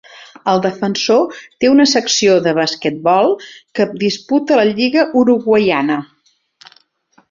El Defensor té una secció de basquetbol que disputa la lliga uruguaiana.